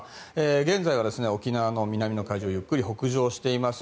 現在は沖縄の南の海上をゆっくり北上しています。